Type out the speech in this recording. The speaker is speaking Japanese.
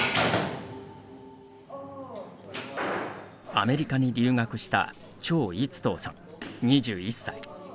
アメリカに留学した張軼棟さん、２１歳。